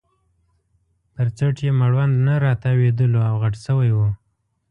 پر څټ یې مړوند نه راتاوېدلو او غټ شوی وو.